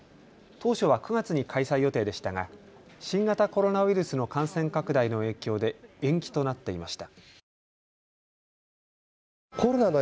当初は９月に開催予定でしたが新型コロナウイルスの感染拡大の影響で延期となっていました。